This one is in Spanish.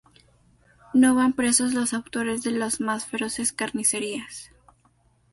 No van presos los autores de las más feroces carnicerías.